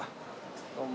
どうも。